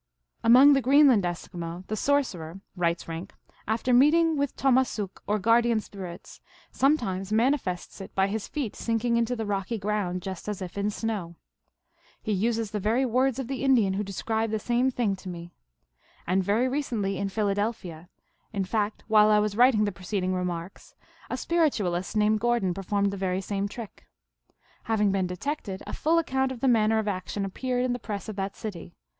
Among the Greenland Eskimo the sorcerer, writes Rink, " after meeting with tomassuk, or guardian spir its, sometimes manifests it by his feet sinking into the rocky ground just as if in snow." He uses the very words of the Indian who described the same thing to me. And very recently in Philadelphia, in fact while 342 THE ALGONQUIN LEGENDS. I was writing the preceding remarks, a spiritualist named Gordon performed the very same trick. Hav ing been detected, a full account of the manner of action appeared in the Press of that city.